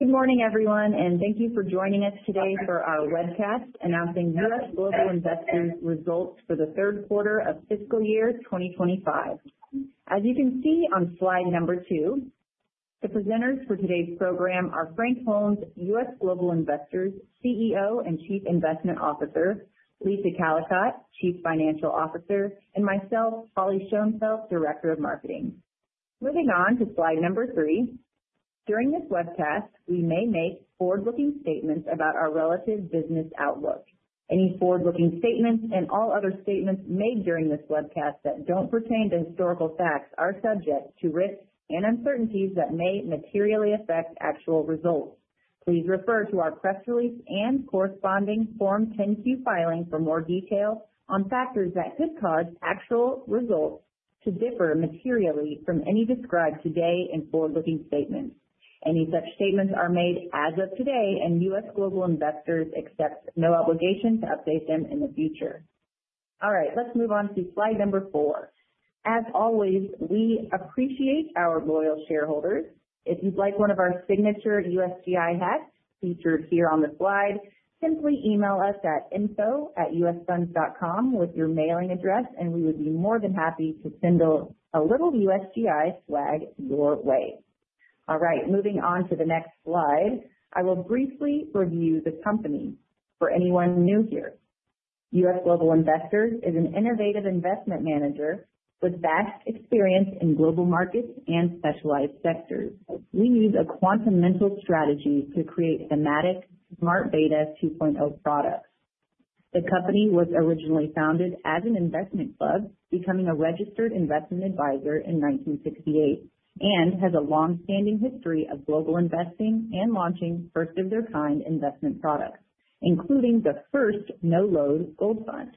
Good morning, everyone, and thank you for joining us today for our webcast announcing U.S. Global Investors' results for the third quarter of fiscal year 2025. As you can see on slide number two, the presenters for today's program are Frank Holmes, U.S. Global Investors CEO and Chief Investment Officer; Lisa Callicotte, Chief Financial Officer; and myself, Holly Schoenfeldt, Director of Marketing. Moving on to slide number three, during this webcast, we may make forward-looking statements about our relative business outlook. Any forward-looking statements and all other statements made during this webcast that do not pertain to historical facts are subject to risks and uncertainties that may materially affect actual results. Please refer to our press release and corresponding Form 10Q filing for more detail on factors that could cause actual results to differ materially from any described today in forward-looking statements. Any such statements are made as of today, and U.S. Global Investors accepts no obligation to update them in the future. All right, let's move on to slide number four. As always, we appreciate our loyal shareholders. If you'd like one of our signature USGI hats featured here on the slide, simply email us at info@usfunds.com with your mailing address, and we would be more than happy to send a little USGI swag your way. All right, moving on to the next slide, I will briefly review the company for anyone new here. U.S. Global Investors is an innovative investment manager with vast experience in global markets and specialized sectors. We use a quantum mental strategy to create thematic Smart Beta 2.0 products. The company was originally founded as an investment club, becoming a registered investment advisor in 1968, and has a long-standing history of global investing and launching first-of-their-kind investment products, including the first no-load gold fund.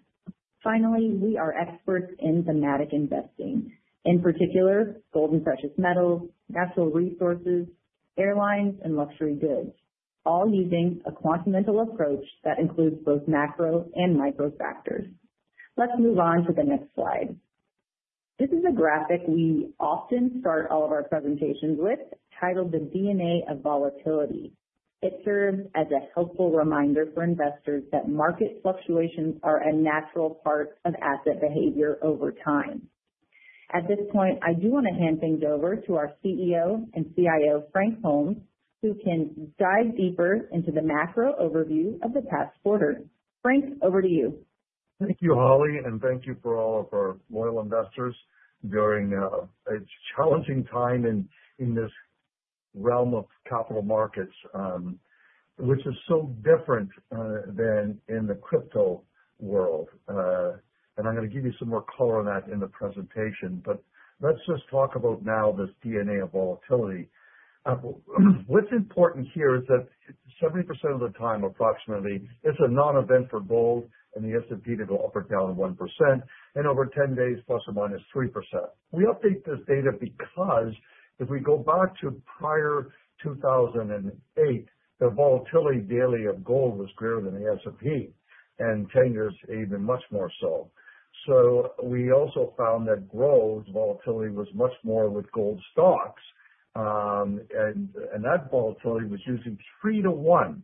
Finally, we are experts in thematic investing, in particular, gold and precious metals, natural resources, airlines, and luxury goods, all using a quantum mental approach that includes both macro and micro factors. Let's move on to the next slide. This is a graphic we often start all of our presentations with, titled "The DNA of Volatility." It serves as a helpful reminder for investors that market fluctuations are a natural part of asset behavior over time. At this point, I do want to hand things over to our CEO and CIO, Frank Holmes, who can dive deeper into the macro overview of the past quarter. Frank, over to you. Thank you, Holly, and thank you for all of our loyal investors during a challenging time in this realm of capital markets, which is so different than in the crypto world. I am going to give you some more color on that in the presentation, but let's just talk about now this DNA of volatility. What's important here is that 70% of the time, approximately, it's a non-event for gold and the S&P to go up or down 1%, and over 10 days, plus or minus 3%. We update this data because if we go back to prior 2008, the volatility daily of gold was greater than the S&P, and 10 years even much more so. We also found that growth volatility was much more with gold stocks, and that volatility was usually three to one.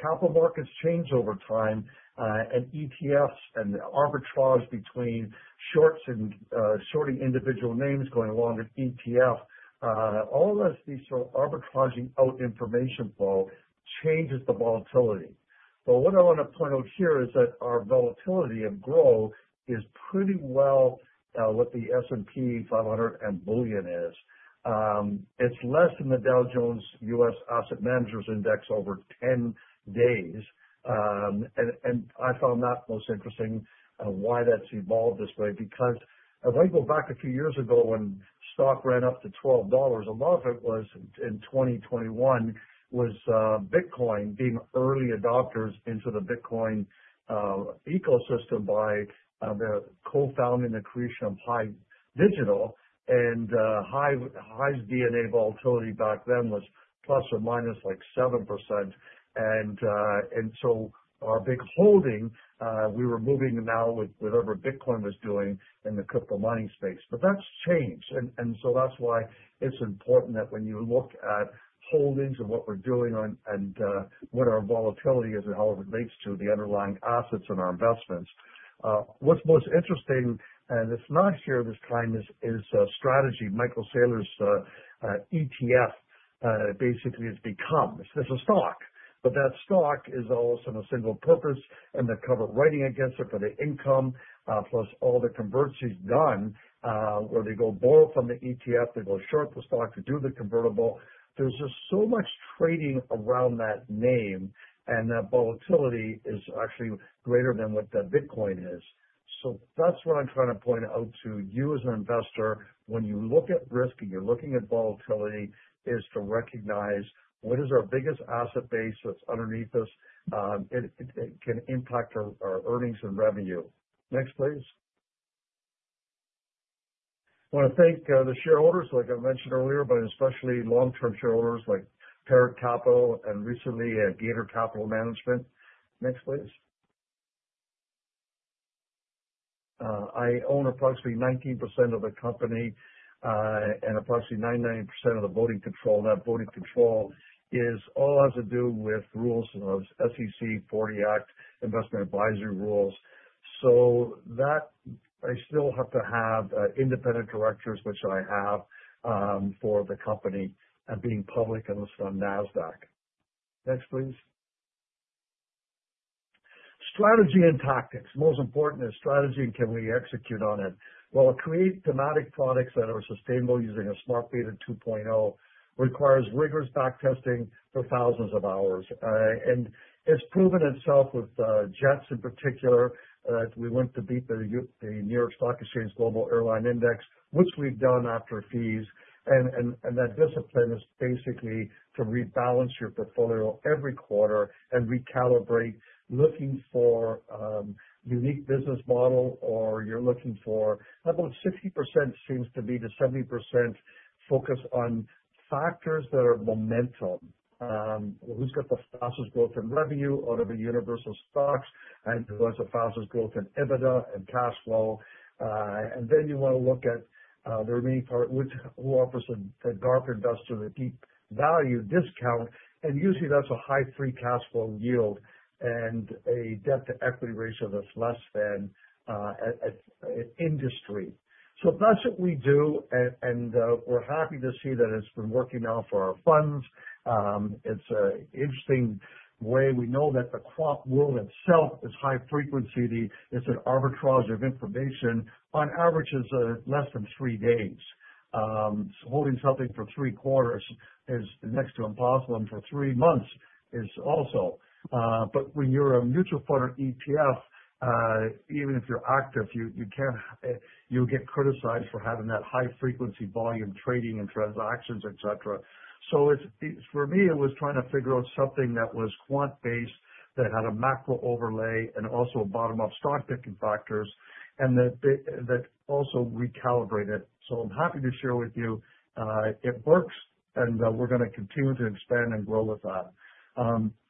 Capital markets change over time, and ETFs and arbitrages between shorts and shorting individual names, going longer ETF, all of these sort of arbitraging out information flow changes the volatility. What I want to point out here is that our volatility of growth is pretty well what the S&P 500 and bullion is. It is less than the Dow Jones U.S. Asset Managers Index over 10 days. I found that most interesting, why that has evolved this way, because if I go back a few years ago when stock ran up to $12, a lot of it was in 2021, was Bitcoin being early adopters into the Bitcoin ecosystem by the co-founding and creation of Pi Digital. Pi's DNA of volatility back then was plus or minus like 7%. Our big holding, we were moving now with whatever Bitcoin was doing in the crypto mining space. That has changed. That is why it is important that when you look at holdings and what we are doing and what our volatility is and how it relates to the underlying assets and our investments. What is most interesting, and it is not here this time, is strategy. Michael Saylor's ETF basically has become, it is a stock, but that stock is all sort of single purpose, and they cover writing against it for the income, plus all the convergence is done where they go bull from the ETF, they go short the stock to do the convertible. There is just so much trading around that name, and that volatility is actually greater than what the Bitcoin is. That is what I am trying to point out to you as an investor. When you look at risk and you're looking at volatility, is to recognize what is our biggest asset base that's underneath us, and it can impact our earnings and revenue. Next, please. I want to thank the shareholders, like I mentioned earlier, but especially long-term shareholders like Parrot Capital and recently Gator Capital Management. Next, please. I own approximately 19% of the company and approximately 99% of the voting control. That voting control has to do with rules of SEC 40 Act, investment advisory rules. So that I still have to have independent directors, which I have for the company being public and listed on NASDAQ. Next, please. Strategy and tactics. Most important is strategy and can we execute on it? Create thematic products that are sustainable using a Smart Beta 2.0 requires rigorous backtesting for thousands of hours. It's proven itself with Jets in particular that we went to beat the New York Stock Exchange Global Airline Index, which we've done after fees. That discipline is basically to rebalance your portfolio every quarter and recalibrate, looking for a unique business model or you're looking for about 60%-70% focus on factors that are momentum. Who's got the fastest growth in revenue out of the universe of stocks and who has the fastest growth in EBITDA and cash flow? Then you want to look at the remaining part, who offers the GARP investor the deep value discount, and usually that's a high free cash flow yield and a debt to equity ratio that's less than industry. That's what we do, and we're happy to see that it's been working out for our funds. It's an interesting way. We know that the quant world itself is high frequency. It's an arbitrage of information on average is less than three days. Holding something for three quarters is next to impossible, and for three months is also. When you're a mutual fund or ETF, even if you're active, you'll get criticized for having that high frequency volume trading and transactions, etc. For me, it was trying to figure out something that was quant-based, that had a macro overlay and also bottom-up stock picking factors, and that also recalibrated. I'm happy to share with you it works, and we're going to continue to expand and grow with that.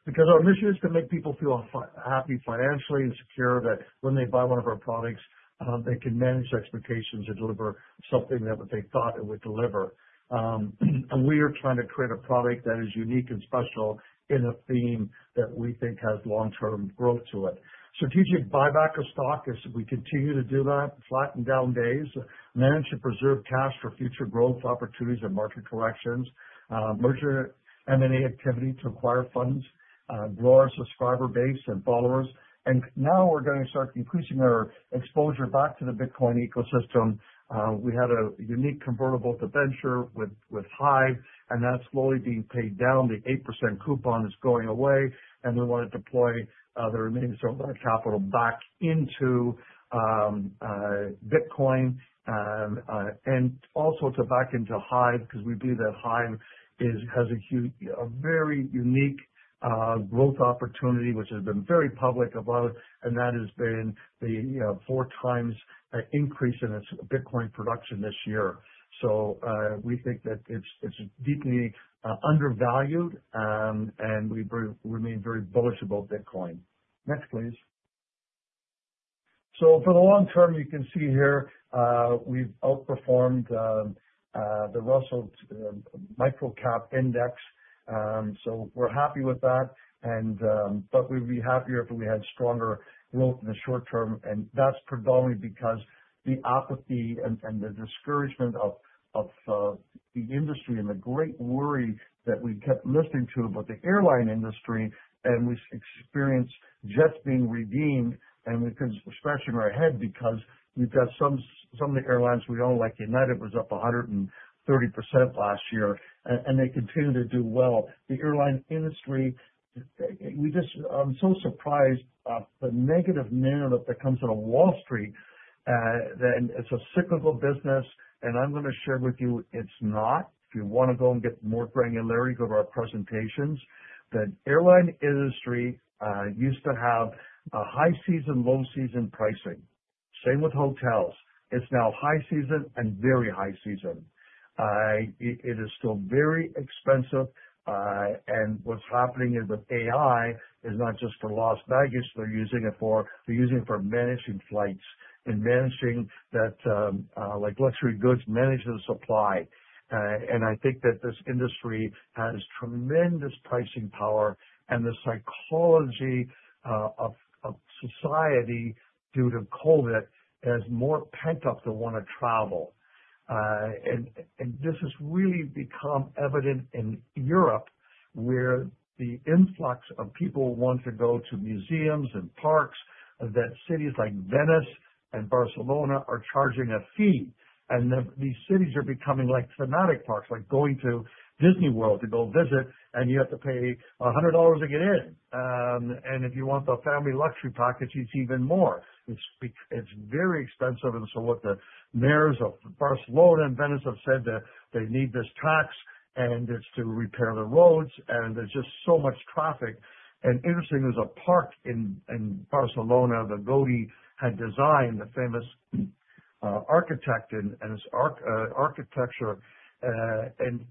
Our mission is to make people feel happy financially and secure that when they buy one of our products, they can manage expectations and deliver something that they thought it would deliver. We are trying to create a product that is unique and special in a theme that we think has long-term growth to it. Strategic buyback of stock is we continue to do that, flatten down days, manage and preserve cash for future growth opportunities and market corrections, merger M&A activity to acquire funds, grow our subscriber base and followers. Now we are going to start increasing our exposure back to the Bitcoin ecosystem. We had a unique convertible to venture with Hive, and that is slowly being paid down. The 8% coupon is going away, and we want to deploy the remaining capital back into Bitcoin and also back into Hive because we believe that Hive has a very unique growth opportunity, which has been very public about, and that has been the four times increase in its Bitcoin production this year. We think that it's deeply undervalued, and we remain very bullish about Bitcoin. Next, please. For the long term, you can see here we've outperformed the Russell Micro Cap Index. We're happy with that, but we'd be happier if we had stronger growth in the short term, and that's predominantly because of the apathy and the discouragement of the industry and the great worry that we kept listening to about the airline industry, and we experienced Jets being redeemed, and we've been scratching our head because we've got some of the airlines we own, like United, was up 130% last year, and they continue to do well. The airline industry, we just, I'm so surprised at the negative narrative that comes out of Wall Street, that it's a cyclical business, and I'm going to share with you it's not. If you want to go and get more granularity, go to our presentations. The airline industry used to have a high-season, low-season pricing. Same with hotels. It is now high season and very high season. It is still very expensive, and what is happening with AI is not just for Las Vegas. They are using it for, they are using it for managing flights and managing that like luxury goods, managing the supply. I think that this industry has tremendous pricing power, and the psychology of society due to COVID has more pent up to want to travel. This has really become evident in Europe, where the influx of people want to go to museums and parks, that cities like Venice and Barcelona are charging a fee. These cities are becoming like thematic parks, like going to Disney World to go visit, and you have to pay $100 to get in. If you want the family luxury package, it's even more. It's very expensive. What the mayors of Barcelona and Venice have said is they need this tax, and it's to repair the roads, and there's just so much traffic. Interestingly, there's a park in Barcelona that Gaudí had designed, the famous architect and his architecture, and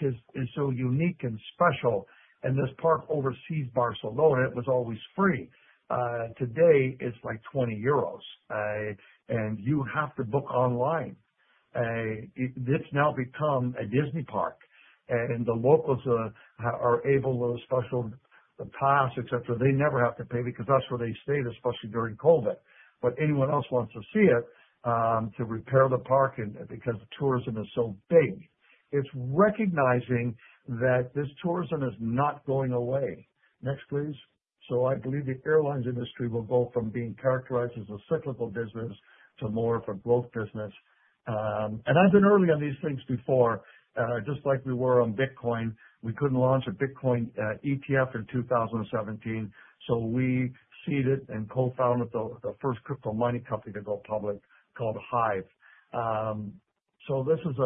he's so unique and special. This park oversees Barcelona, it was always free. Today, it's like 20 euros, and you have to book online. It's now become a Disney park, and the locals are able to special pass, etc. They never have to pay because that's where they stayed, especially during COVID. Anyone else wants to see it to repair the park because the tourism is so big. It is recognizing that this tourism is not going away. Next, please. I believe the airlines industry will go from being characterized as a cyclical business to more of a growth business. I have been early on these things before, just like we were on Bitcoin. We could not launch a Bitcoin ETF in 2017, so we seeded and co-founded the first crypto mining company to go public called Hive. This is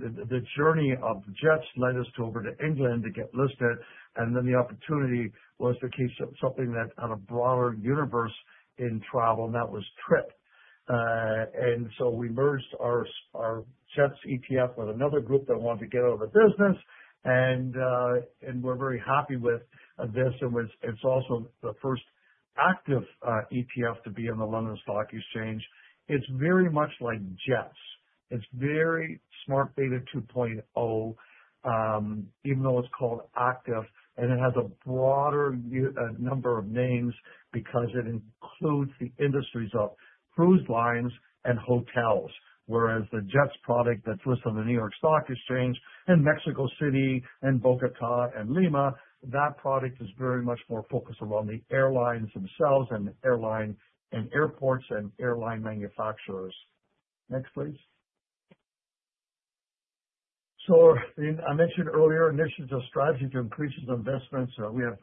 the journey of Jets led us over to England to get listed, and then the opportunity was to keep something that had a broader universe in travel, and that was Trip. We merged our Jets ETF with another group that wanted to get out of the business, and we are very happy with this. It is also the first active ETF to be on the London Stock Exchange. It is very much like Jets. It is very Smart Beta 2.0, even though it is called active, and it has a broader number of names because it includes the industries of cruise lines and hotels, whereas the Jets product that is listed on the New York Stock Exchange and Mexico City and Bogota and Lima, that product is very much more focused around the airlines themselves and airline and airports and airline manufacturers. Next, please. I mentioned earlier, initially the strategy to increase investments. We have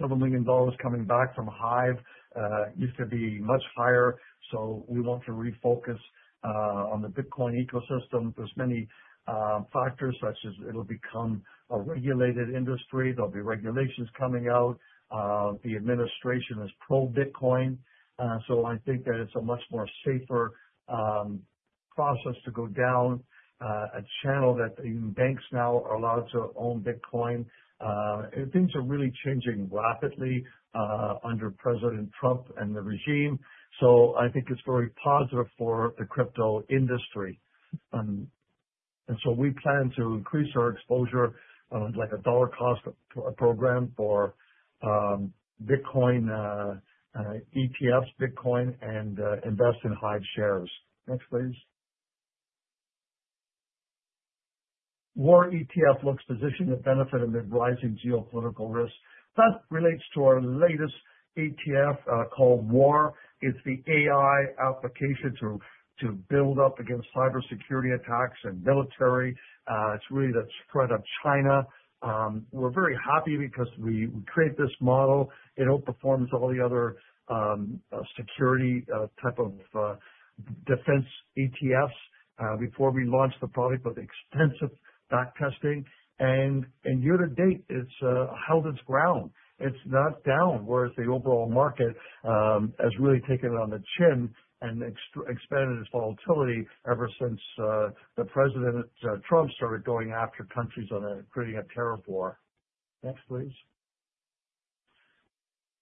several million dollars coming back from Hive. It used to be much higher, so we want to refocus on the Bitcoin ecosystem. There are many factors, such as it will become a regulated industry. There will be regulations coming out. The administration is pro-Bitcoin. I think that it's a much more safer process to go down a channel that even banks now are allowed to own Bitcoin. Things are really changing rapidly under President Trump and the regime. I think it's very positive for the crypto industry. We plan to increase our exposure like a dollar cost program for Bitcoin ETFs, Bitcoin, and invest in Hive shares. Next, please. War ETF looks positioned to benefit amid rising geopolitical risk. That relates to our latest ETF called War. It's the AI application to build up against cybersecurity attacks and military. It's really the spread of China. We're very happy because we created this model. It outperforms all the other security type of defense ETFs before we launched the product with extensive backtesting. Year to date, it's held its ground. It's not down, whereas the overall market has really taken it on the chin and expanded its volatility ever since President Trump started going after countries on creating a terror war. Next, please.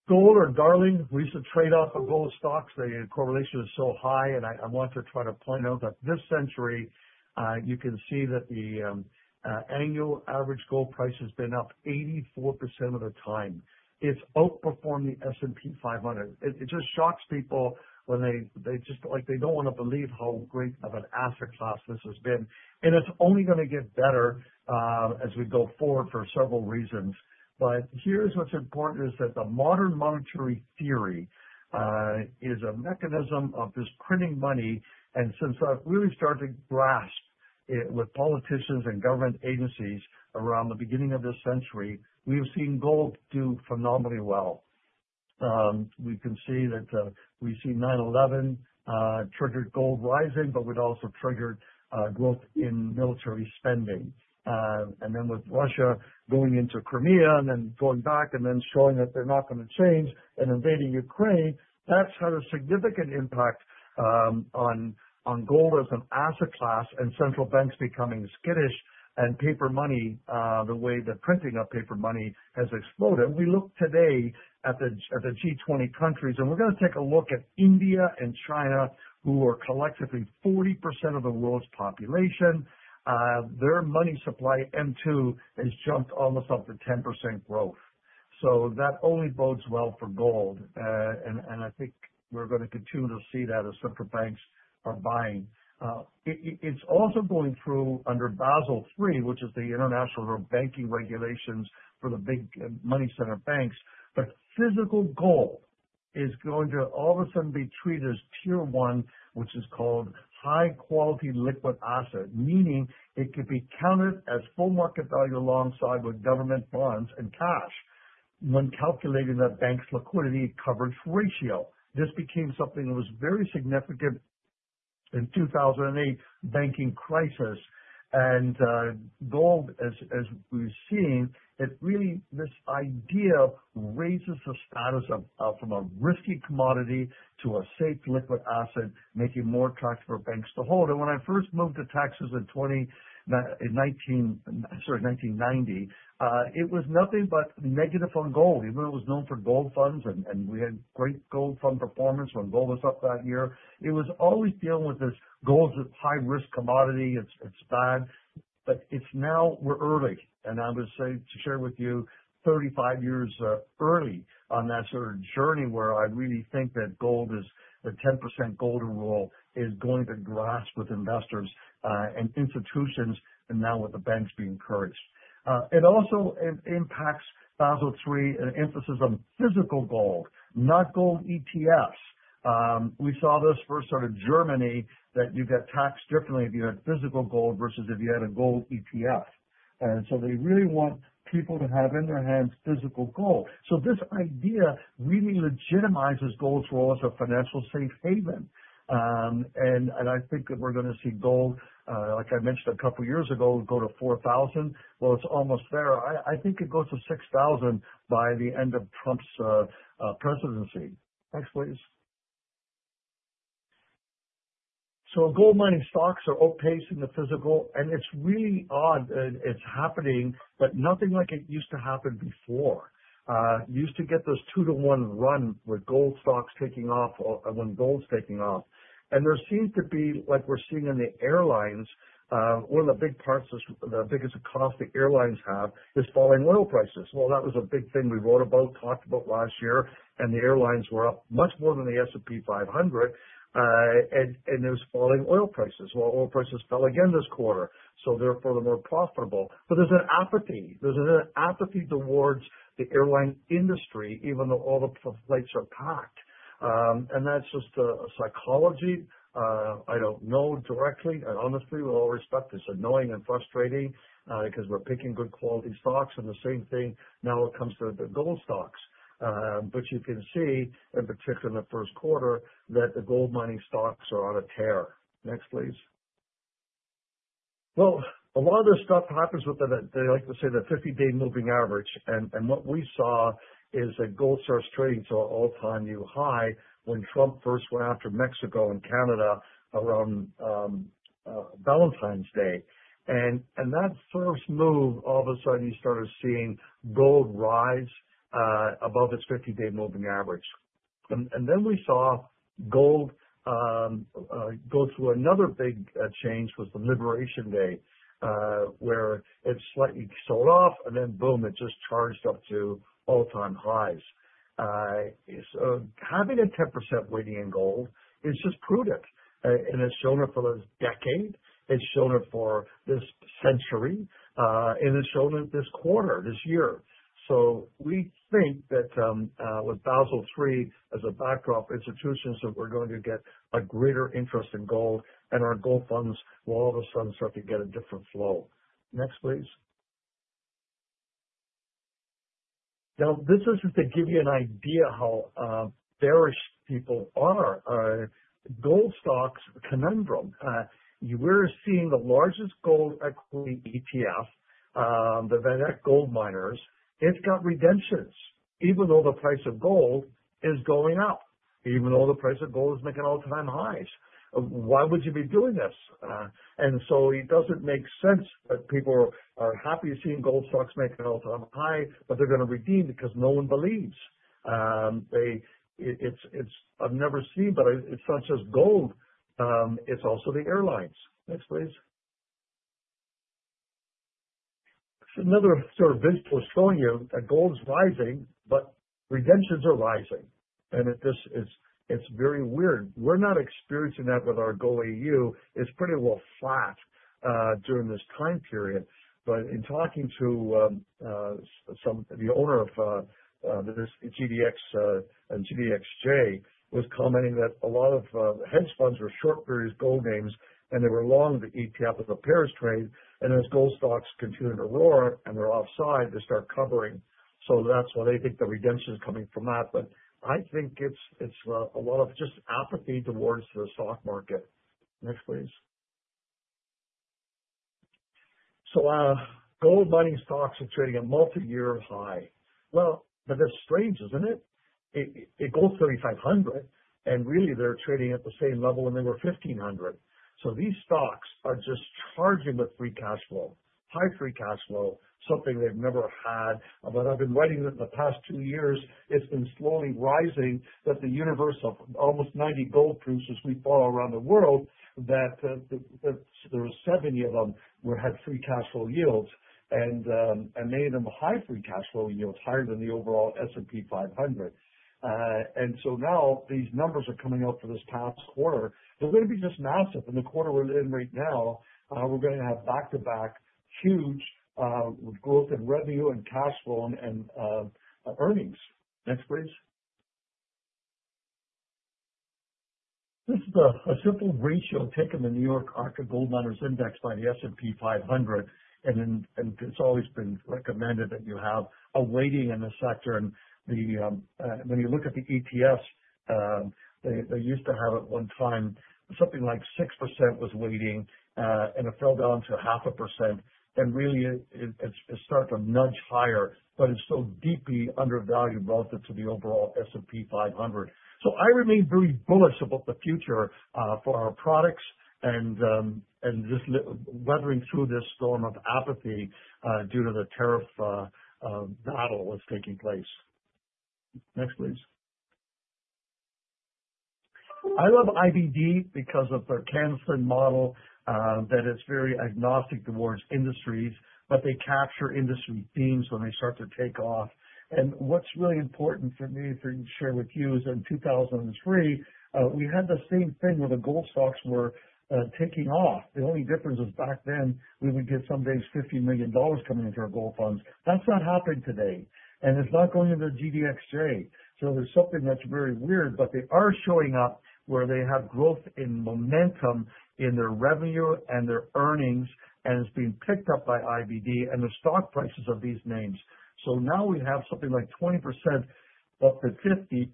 Gold or darling? We used to trade off of gold stocks. The correlation is so high, and I want to try to point out that this century, you can see that the annual average gold price has been up 84% of the time. It's outperformed the S&P 500. It just shocks people when they just don't want to believe how great of an asset class this has been. It's only going to get better as we go forward for several reasons. Here's what's important: the modern monetary theory is a mechanism of just printing money. Since I've really started to grasp it with politicians and government agencies around the beginning of this century, we've seen gold do phenomenally well. We can see that we've seen 9/11 triggered gold rising, but we've also triggered growth in military spending. With Russia going into Crimea and then going back and then showing that they're not going to change and invading Ukraine, that's had a significant impact on gold as an asset class and central banks becoming skittish and paper money the way the printing of paper money has exploded. We look today at the G20 countries, and we're going to take a look at India and China, who are collectively 40% of the world's population. Their money supply M2 has jumped almost up to 10% growth. That only bodes well for gold. I think we're going to continue to see that as central banks are buying. It's also going through under Basel III, which is the International Banking Regulations for the big money center banks. Physical gold is going to all of a sudden be treated as tier one, which is called high quality liquid asset, meaning it could be counted as full market value alongside with government bonds and cash when calculating that bank's liquidity coverage ratio. This became something that was very significant in the 2008 banking crisis. Gold, as we've seen, it really, this idea raises the status from a risky commodity to a safe liquid asset, making it more attractive for banks to hold. When I first moved to Texas in 1990, it was nothing but negative on gold. Even though it was known for gold funds and we had great gold fund performance when gold was up that year, it was always dealing with this gold's a high-risk commodity. It's bad. Now we're early. I would say to share with you, 35 years early on that sort of journey where I really think that gold is the 10% golden rule is going to grasp with investors and institutions and now with the banks being encouraged. It also impacts Basel III and emphasis on physical gold, not gold ETFs. We saw this first sort of Germany that you get taxed differently if you had physical gold versus if you had a gold ETF. They really want people to have in their hands physical gold. This idea really legitimizes gold's role as a financial safe haven. I think that we're going to see gold, like I mentioned a couple of years ago, go to $4,000. It is almost there. I think it goes to $6,000 by the end of Trump's presidency. Next, please. Gold mining stocks are outpacing the physical, and it is really odd it is happening, but nothing like it used to happen before. You used to get those two-to-one run with gold stocks taking off when gold is taking off. There seems to be, like we're seeing in the airlines, one of the big parts, the biggest cost the airlines have is falling oil prices. That was a big thing we wrote about, talked about last year, and the airlines were up much more than the S&P 500, and there is falling oil prices. Oil prices fell again this quarter, so therefore they are more profitable. There is an apathy. There's an apathy towards the airline industry, even though all the flights are packed. And that's just a psychology. I don't know directly and honestly, with all respect, it's annoying and frustrating because we're picking good quality stocks, and the same thing now comes to the gold stocks. You can see, in particular in the first quarter, that the gold mining stocks are on a tear. A lot of this stuff happens with the, they like to say the 50-day moving average. What we saw is that gold starts trading to an all-time new high when Trump first went after Mexico and Canada around Valentine's Day. That first move, all of a sudden you started seeing gold rise above its 50-day moving average. Then we saw gold go through another big change, which was the Liberation Day, where it slightly sold off, and then boom, it just charged up to all-time highs. Having a 10% weighting in gold is just prudent. It has shown it for the decade. It has shown it for this century. It has shown it this quarter, this year. We think that with Basel III as a backdrop, institutions are going to get a greater interest in gold, and our gold funds will all of a sudden start to get a different flow. Next, please. This is to give you an idea how bearish people are. Gold stocks conundrum. We are seeing the largest gold equity ETF, the VanEck Gold Miners, it has got redemptions, even though the price of gold is going up, even though the price of gold is making all-time highs. Why would you be doing this? It doesn't make sense that people are happy seeing gold stocks making all-time high, but they're going to redeem because no one believes. I've never seen, but it's not just gold. It's also the airlines. Next, please. Another sort of visual is showing you that gold's rising, but redemptions are rising. It's very weird. We're not experiencing that with our gold EU. It's pretty well flat during this time period. In talking to the owner of this GDX and GDXJ, he was commenting that a lot of hedge funds were short various gold names, and they were long the ETF with the Paris trade. As gold stocks continue to roar and they're offside, they start covering. That's why they think the redemption is coming from that. I think it's a lot of just apathy towards the stock market. Next, please. Gold mining stocks are trading at multi-year high. That is strange, is it not? It goes to $3,500, and really they are trading at the same level when they were $1,500. These stocks are just charging with free cash flow, high free cash flow, something they have never had. I have been writing that in the past two years, it has been slowly rising that the universe of almost 90 gold producers we follow around the world, that there were 70 of them who had free cash flow yields and many of them high free cash flow yields, higher than the overall S&P 500. Now these numbers are coming out for this past quarter. They are going to be just massive. In the quarter we are in right now, we are going to have back-to-back huge growth in revenue and cash flow and earnings. Next, please. This is a simple ratio taken in the New York Archer Gold Miners Index by the S&P 500. It has always been recommended that you have a weighting in the sector. When you look at the ETFs, they used to have at one time something like 6% was weighting, and it fell down to 0.5%. It started to nudge higher, but it is still deeply undervalued relative to the overall S&P 500. I remain very bullish about the future for our products and just weathering through this storm of apathy due to the tariff battle that is taking place. Next, please. I love IBD because of their Canon model that is very agnostic towards industries, but they capture industry themes when they start to take off. What is really important for me to share with you is in 2003, we had the same thing where the gold stocks were taking off. The only difference was back then we would get some days $50 million coming into our gold funds. That is not happening today. It is not going into GDXJ. There is something that is very weird, but they are showing up where they have growth in momentum in their revenue and their earnings, and it is being picked up by IBD and the stock prices of these names. Now we have something like 20% up to 50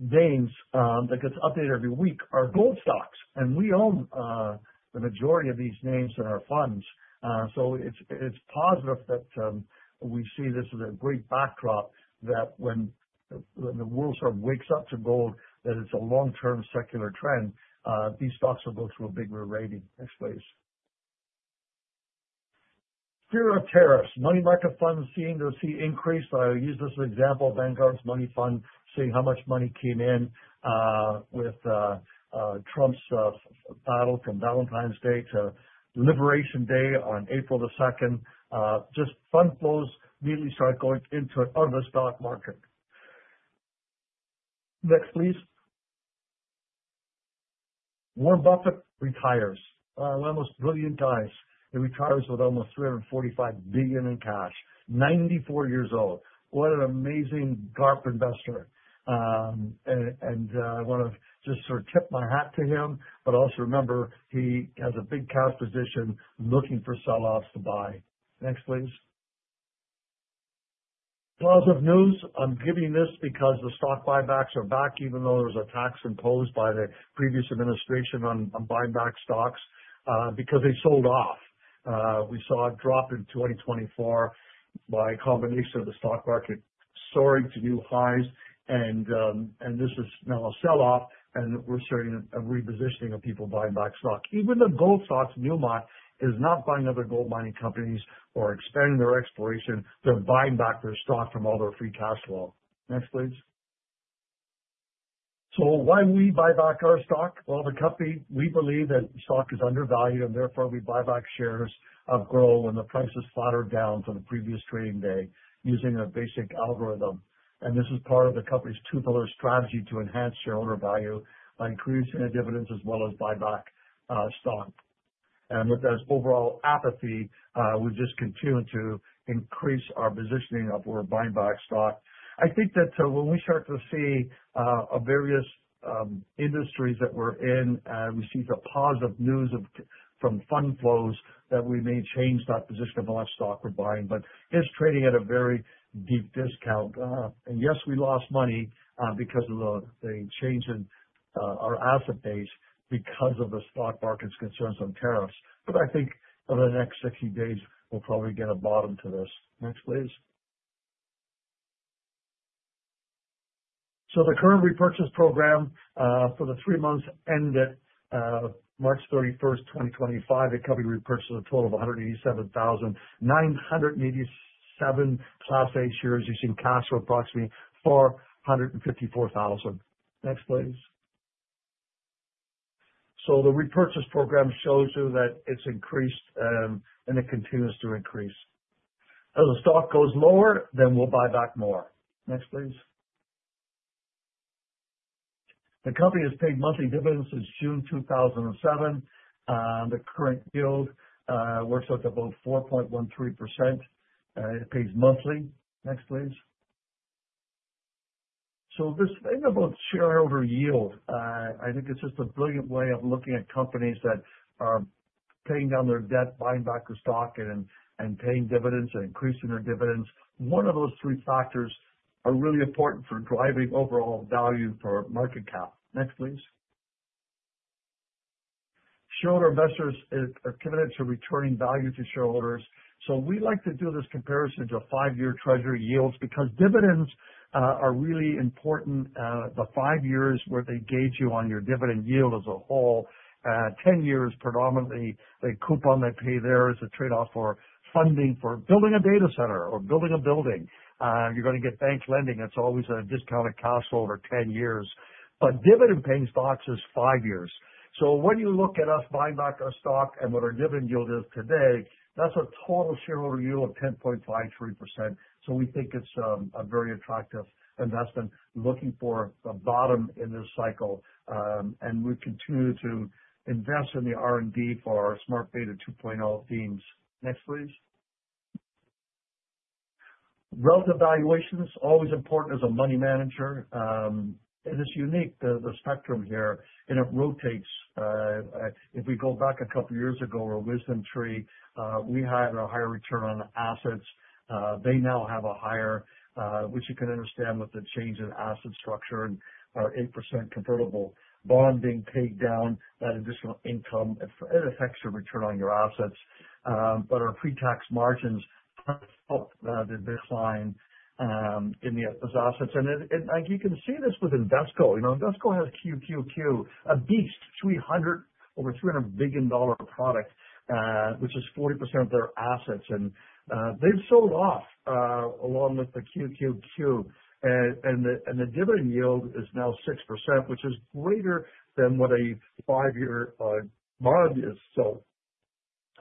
names that gets updated every week are gold stocks. We own the majority of these names in our funds. It is positive that we see this as a great backdrop that when the world sort of wakes up to gold, that it is a long-term secular trend, these stocks will go through a big re-rating. Next, please. Fear of tariffs. Money market funds seem to see increase. I use this as an example, Vanguard's money fund, seeing how much money came in with Trump's battle from Valentine's Day to Liberation Day on April the 2nd. Just fund flows immediately start going into out of the stock market. Next, please. Warren Buffett retires. One of the most brilliant guys. He retires with almost $345 billion in cash, 94 years old. What an amazing GARP investor. I want to just sort of tip my hat to him, but also remember he has a big cash position looking for selloffs to buy. Next, please. Positive news. I'm giving this because the stock buybacks are back, even though there was a tax imposed by the previous administration on buying back stocks because they sold off. We saw a drop in 2024 by a combination of the stock market soaring to new highs. This is now a selloff, and we're starting a repositioning of people buying back stock. Even the gold stocks, Newmont, is not buying other gold mining companies or expanding their exploration. They're buying back their stock from all their free cash flow. Next, please. Why do we buy back our stock? The company, we believe that the stock is undervalued, and therefore we buy back shares of gold when the price has fluttered down from the previous trading day using a basic algorithm. This is part of the company's two-pillar strategy to enhance shareholder value by increasing the dividends as well as buy back stock. With that overall apathy, we've just continued to increase our positioning of where we're buying back stock. I think that when we start to see various industries that we're in, we see the positive news from fund flows that we may change that position of a lot of stock we're buying, but it's trading at a very deep discount. Yes, we lost money because of the change in our asset base because of the stock market's concerns on tariffs. I think over the next 60 days, we'll probably get a bottom to this. Next, please. The current repurchase program for the three months ended March 31, 2025, the company repurchased a total of 187,987 Class A shares using cash for approximately $454,000. Next, please. The repurchase program shows you that it's increased and it continues to increase. If the stock goes lower, then we'll buy back more. Next, please. The company has paid monthly dividends since June 2007. The current yield works out to about 4.13%. It pays monthly. Next, please. This thing about shareholder yield, I think it's just a brilliant way of looking at companies that are paying down their debt, buying back the stock, and paying dividends and increasing their dividends. One of those three factors are really important for driving overall value for market cap. Next, please. Shareholder investors are committed to returning value to shareholders. We like to do this comparison to five-year treasury yields because dividends are really important. The five years where they gauge you on your dividend yield as a whole. Ten years, predominantly, they coupon, they pay theirs to trade off for funding for building a data center or building a building. You're going to get bank lending. It's always a discounted cash flow over ten years. Dividend-paying stocks is five years. When you look at us buying back our stock and what our dividend yield is today, that's a total shareholder yield of 10.53%. We think it's a very attractive investment looking for a bottom in this cycle. We continue to invest in the R&D for our Smart Beta 2.0 themes. Next, please. Wealth evaluation is always important as a money manager. It's unique, the spectrum here, and it rotates. If we go back a couple of years ago or WisdomTree, we had a higher return on assets. They now have a higher, which you can understand with the change in asset structure and our 8% convertible bond being paid down, that additional income, it affects your return on your assets. Our pre-tax margins help the decline in those assets. You can see this with Invesco. Invesco has QQQ, a beast, over $300 billion product, which is 40% of their assets. They have sold off along with the QQQ. The dividend yield is now 6%, which is greater than what a five-year bond is.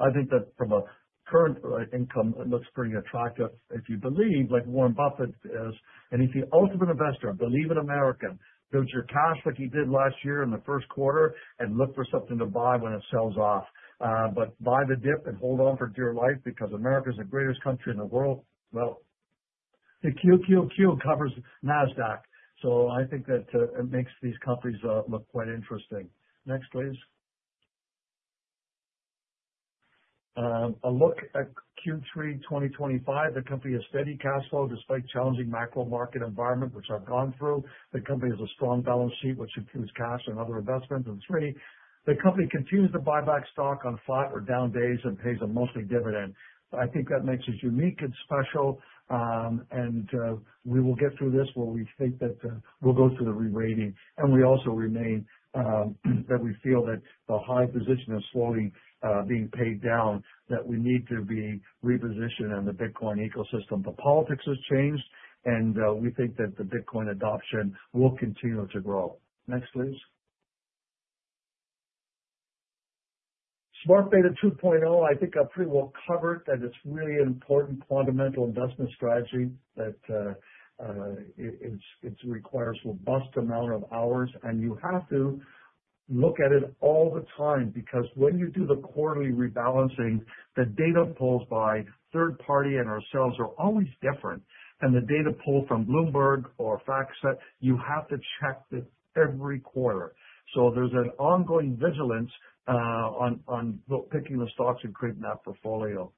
I think that from a current income, it looks pretty attractive if you believe like Warren Buffett is. If you are an ultimate investor, believe in America. Build your cash like you did last year in the first quarter and look for something to buy when it sells off. Buy the dip and hold on for dear life because America is the greatest country in the world. The QQQ covers NASDAQ. I think that it makes these companies look quite interesting. Next, please. A look at Q3 2025. The company has steady cash flow despite challenging macro market environment, which I have gone through. The company has a strong balance sheet, which includes cash and other investments. Three, the company continues to buy back stock on flat or down days and pays a monthly dividend. I think that makes it unique and special. We will get through this where we think that we will go through the re-rating. We also remain that we feel that the high position is slowly being paid down, that we need to be repositioned in the Bitcoin ecosystem. Politics has changed, and we think that the Bitcoin adoption will continue to grow. Next, please. Smart Beta 2.0, I think I pretty well covered that it's really an important fundamental investment strategy that requires a robust amount of hours. You have to look at it all the time because when you do the quarterly rebalancing, the data pulls by third party and ourselves are always different. The data pull from Bloomberg or FactSet, you have to check it every quarter. There's an ongoing vigilance on picking the stocks and creating that portfolio.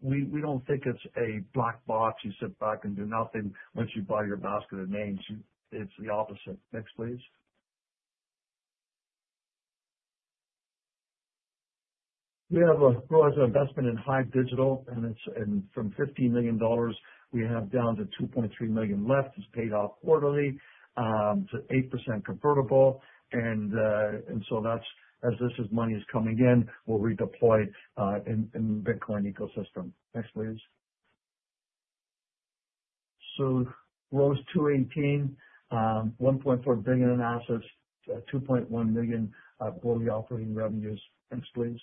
We don't think it's a black box. You sit back and do nothing once you buy your basket of names. It's the opposite. Next, please. We have a growth investment in Hive Digital. From $15 million, we have down to $2.3 million left. It's paid off quarterly to 8% convertible. As this money is coming in, we'll redeploy in the Bitcoin ecosystem. Next, please. Gross 218, $1.4 billion in assets, $2.1 million quarterly operating revenues. Next, please.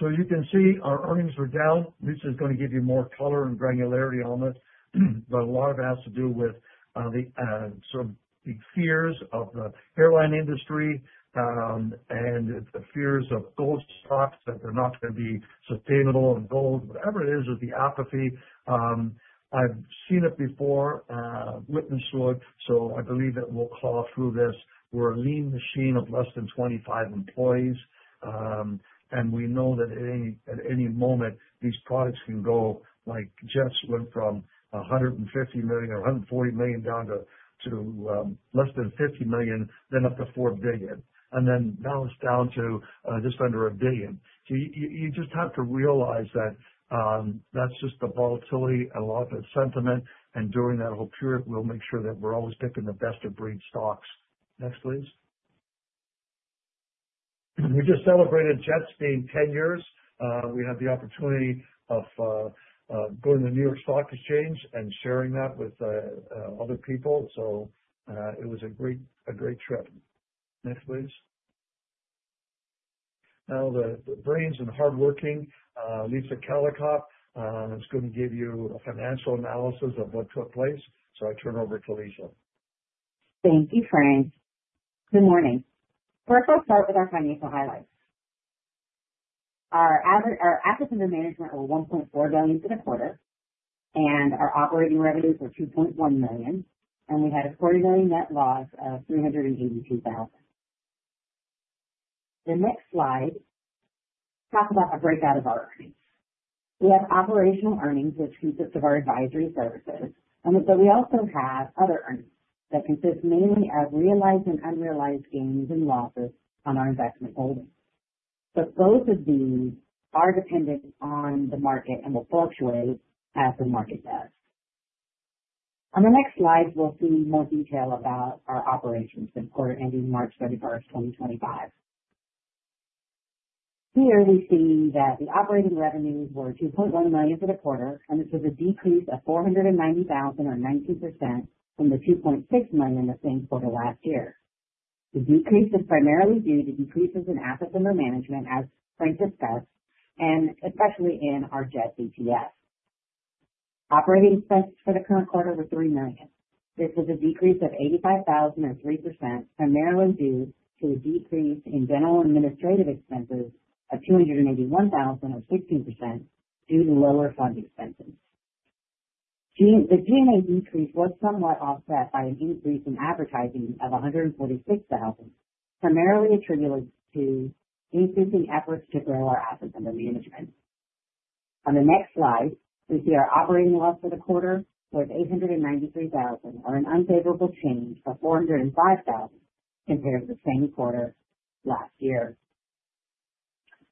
You can see our earnings are down. This is going to give you more color and granularity on this. A lot of it has to do with the fears of the airline industry and the fears of gold stocks that they're not going to be sustainable in gold. Whatever it is, it's the apathy. I've seen it before, witnessed it. I believe it will claw through this. We're a lean machine of fewer than 25 employees. We know that at any moment, these products can go like Jets went from $150 million or $140 million down to less than $50 million, then up to $4 billion. Then now it's down to just under a billion. You just have to realize that that's just the volatility and a lot of the sentiment. During that whole period, we'll make sure that we're always picking the best of breed stocks. Next, please. We just celebrated Jets being 10 years. We had the opportunity of going to the New York Stock Exchange and sharing that with other people. It was a great trip. Next, please. Now, the brains and hardworking Lisa Callicotte is going to give you a financial analysis of what took place. I turn it over to Lisa. Thank you, Frank. Good morning. First, let's start with our financial highlights. Our assets under management were $1.4 billion for the quarter, and our operating revenues were $2.1 million. We had a quarterly net loss of $382,000. The next slide talks about a breakout of our earnings. We have operational earnings, which consist of our advisory services. We also have other earnings that consist mainly of realized and unrealized gains and losses on our investment holdings. Both of these are dependent on the market and will fluctuate as the market does. On the next slide, we'll see more detail about our operations in quarter ending March 31, 2025. Here, we see that the operating revenues were $2.1 million for the quarter, and this was a decrease of $490,000 or 19% from the $2.6 million the same quarter last year. The decrease is primarily due to decreases in assets under management, as Frank discussed, and especially in our Jets ETF. Operating expenses for the current quarter were $3 million. This was a decrease of $85,000 or 3%, primarily due to a decrease in general administrative expenses of $281,000 or 16% due to lower fund expenses. The G&A decrease was somewhat offset by an increase in advertising of $146,000, primarily attributed to increasing efforts to grow our assets under management. On the next slide, we see our operating loss for the quarter was $893,000 or an unfavorable change of $405,000 compared to the same quarter last year.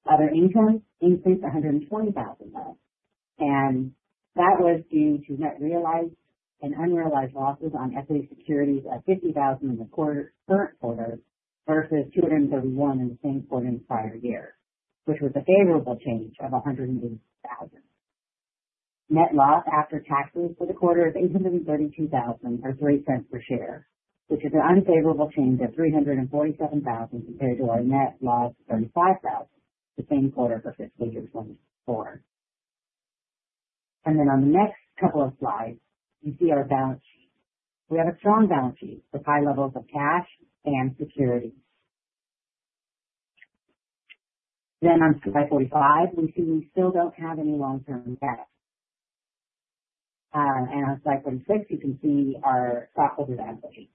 Other income increased $120,000, though. That was due to net realized and unrealized losses on equity securities of $50,000 in the current quarter versus $231,000 in the same quarter in prior years, which was a favorable change of $180,000. Net loss after taxes for the quarter is $832,000 or $0.03 per share, which is an unfavorable change of $347,000 compared to our net loss of $35,000 the same quarter for fiscal year 2024. On the next couple of slides, you see our balance sheet. We have a strong balance sheet with high levels of cash and security. On slide 45, we see we still do not have any long-term debt. On slide 46, you can see our stockholders' equity.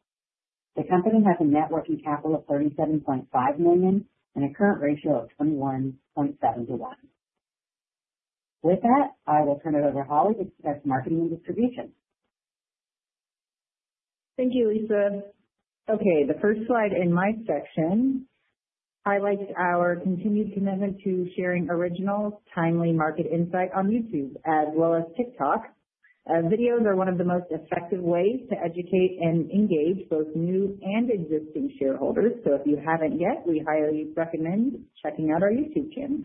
The company has a net working capital of $37.5 million and a current ratio of 21.7 to 1. With that, I will turn it over to Holly to discuss marketing and distribution. Thank you, Lisa. Okay, the first slide in my section highlights our continued commitment to sharing original, timely market insight on YouTube as well as TikTok. Videos are one of the most effective ways to educate and engage both new and existing shareholders. If you have not yet, we highly recommend checking out our YouTube channel.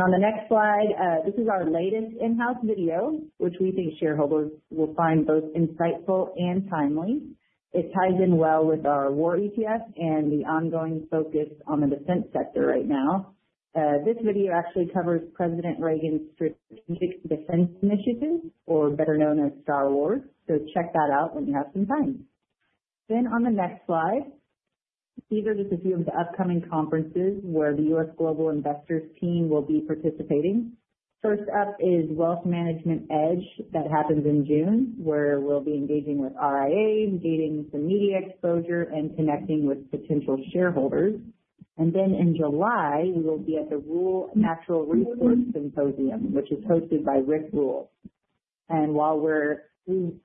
On the next slide, this is our latest in-house video, which we think shareholders will find both insightful and timely. It ties in well with our War ETF and the ongoing focus on the defense sector right now. This video actually covers President Reagan's Strategic Defense Initiative, or better known as Star Wars. Check that out when you have some time. On the next slide, these are just a few of the upcoming conferences where the U.S. Global Investors team will be participating. First up is Wealth Management Edge that happens in June, where we will be engaging with RIA, gaining some media exposure, and connecting with potential shareholders. In July, we will be at the Rural Natural Resource Symposium, which is hosted by Rick Rule.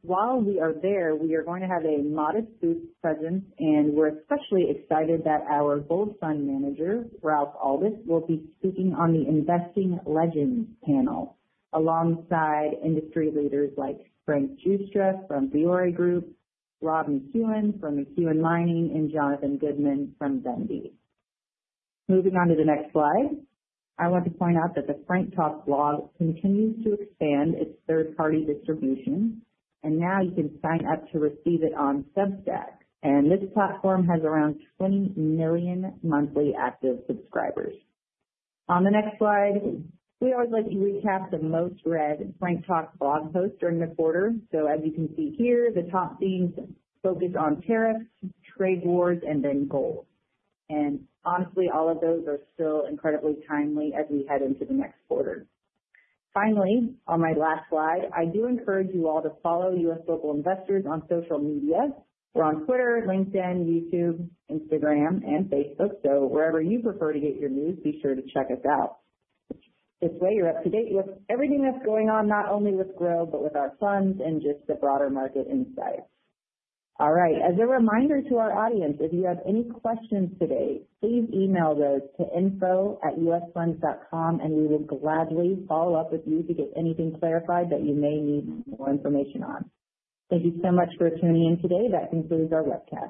While we are there, we are going to have a modest booth presence, and we are especially excited that our Gold Fund Manager, Ralph Aldus, will be speaking on the Investing Legends panel alongside industry leaders like Frank Schuster from Veori Group, Rob McEwen from McEwen Mining, and Jonathan Goodman from Vendy. Moving on to the next slide, I want to point out that the Frank Talk blog continues to expand its third-party distribution. You can now sign up to receive it on Substack. This platform has around 20 million monthly active subscribers. On the next slide, we always like to recap the most-read Frank Talk blog posts during the quarter. As you can see here, the top themes focus on tariffs, trade wars, and gold. Honestly, all of those are still incredibly timely as we head into the next quarter. Finally, on my last slide, I do encourage you all to follow U.S. Global Investors on social media. We are on Twitter, LinkedIn, YouTube, Instagram, and Facebook. Wherever you prefer to get your news, be sure to check us out. This way, you are up to date with everything that is going on, not only with Grow, but with our funds and just the broader market insights. All right, as a reminder to our audience, if you have any questions today, please email those to info@usfunds.com, and we will gladly follow up with you to get anything clarified that you may need more information on. Thank you so much for tuning in today. That concludes our webcast.